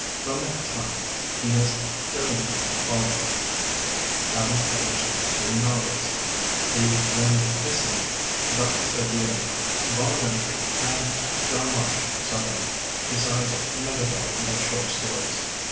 From that time he has diligently followed it, having published three novels, 'The Grandissimes,' 'Dr. Sevier,' 'Bonaventure,' and 'John March, Southerner,' besides another volume of short stories.